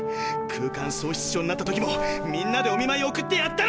空間喪失症になった時もみんなでお見まいおくってやったのに！